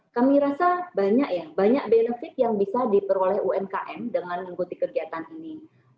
kami rasa banyak ya banyak benefit yang bisa diperoleh umkm dengan mengikuti kegiatan ini